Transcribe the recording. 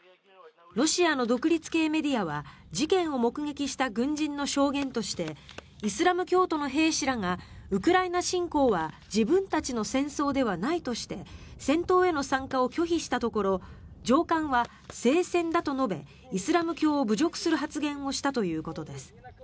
ロシアの独立系メディアは事件を目撃した軍人の証言としてイスラム教徒の兵士らがウクライナ侵攻は自分たちの戦争ではないとして戦闘への参加を拒否したところ上官は聖戦だと述べイスラム教を侮辱する発言をしたということです。